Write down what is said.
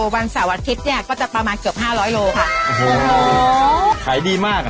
วันเสาร์อาทิตย์เนี้ยก็จะประมาณเกือบห้าร้อยโลค่ะโอ้โหขายดีมากอ่ะ